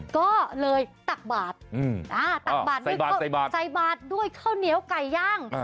ก็เลยตักบาดใส่บาดด้วยข้าวเหนียวไก่ย่าง